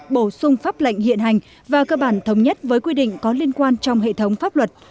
bổ sung pháp lệnh hiện hành và cơ bản thống nhất với quy định có liên quan trong hệ thống pháp luật